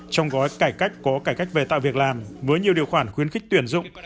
trong gói cải cách có cải cách về tạo việc làm với nhiều điều khoản khuyến khích tuyển dụng